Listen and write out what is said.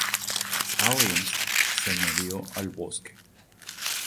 Aliens" se añadió al bloque.